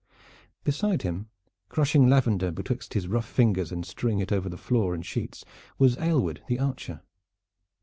Beside him, crushing lavender betwixt his rough fingers and strewing it over floor and sheets, was Aylward the archer.